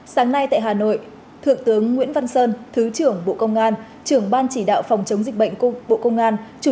sáng nay tại hà nội thượng tướng nguyễn văn sơn thứ trưởng bộ công an trưởng ban chỉ đạo phòng chống dịch bệnh bộ công an